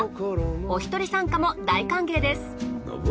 おひとり参加も大歓迎です。